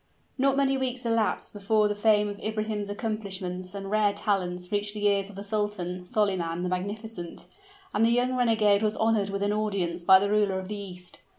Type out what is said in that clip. Not many weeks elapsed before the fame of Ibrahim's accomplishments and rare talents reached the ears of the sultan, Solyman the Magnificent; and the young renegade was honored with an audience by the ruler of the East.